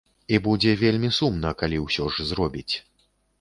І будзе вельмі сумна, калі ўсё ж зробіць.